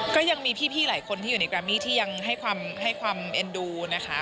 ก็ยังมีพี่หลายคนที่อยู่ในแกรมมี่ที่ยังให้ความเอ็นดูนะคะ